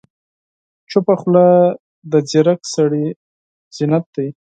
چپه خوله، د ځیرک سړي زینت دی.